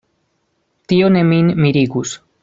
Tio ne min mirigus.